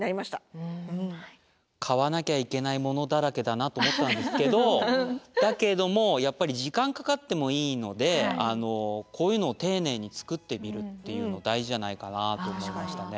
買わなきゃいけないものだらけだなと思ったんですけどだけどもやっぱり時間かかってもいいのでこういうのを丁寧に作ってみるっていうの大事じゃないかなと思いましたね。